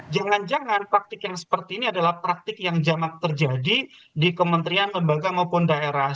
jangan jangan praktik yang seperti ini adalah praktik yang jamak terjadi di kementerian lembaga maupun daerah